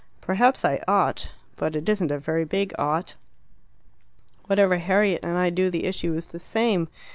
"Perhaps I ought. But it isn't a very big 'ought.' Whatever Harriet and I do the issue is the same.